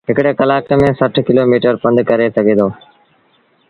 هڪڙي ڪلآڪ ميݩ سٺ ڪلو ميٚٽر پنڌ ڪري سگھي دو۔